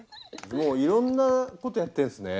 もういろんなことやってるんですね。